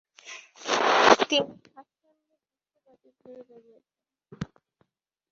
তিনি স্বাচ্ছন্দ্যে বিশ্বব্যাপী ঘুরে বেড়িয়েছেন।